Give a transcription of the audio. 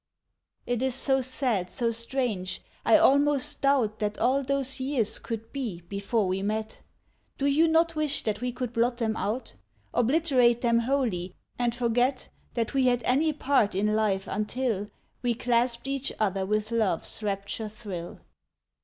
It is so sad, so strange, I almost doubt That all those years could be, before we met. Do you not wish that we could blot them out? Obliterate them wholly, and forget That we had any part in life until We clasped each other with Love's rapture thrill?